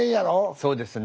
そうですね。